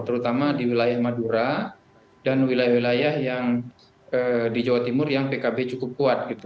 terutama di wilayah madura dan wilayah wilayah yang di jawa timur yang pkb cukup kuat